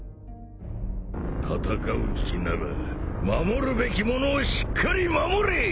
戦う気なら守るべき者をしっかり守れ！